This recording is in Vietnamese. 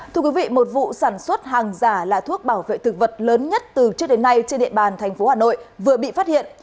thưa quý vị một vụ sản xuất hàng giả là thuốc bảo vệ thực vật lớn nhất từ trước đến nay trên địa bàn tp hà nội vừa bị phát hiện